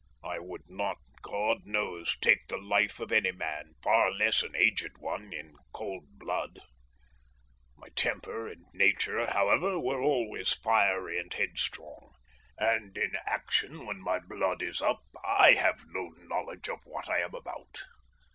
I would not, God knows, take the life of any man, far less an aged one, in cold blood. My temper and nature, however, were always fiery and headstrong, and in action when my blood is up, I have no knowledge of what I am about.